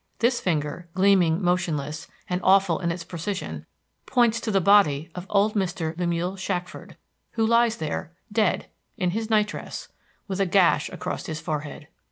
This finger, gleaming, motionless, and awful in its precision, points to the body of old Mr. Lemuel Shackford, who lies there dead in his night dress, with a gash across his forehead.